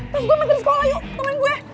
terus gue mau ke sekolah yuk temenin gue